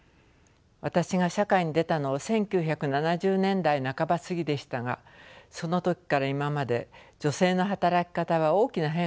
私が社会に出たのは１９７０年代半ば過ぎでしたがその時から今まで女性の働き方は大きな変化を遂げています。